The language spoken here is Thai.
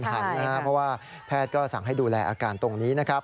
เพราะว่าแพทย์ก็สั่งให้ดูแลตรงนี้